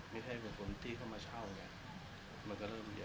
ไม่ใช่แบบคนที่เข้ามาเช่าเนี่ยมันก็เริ่มเยอะ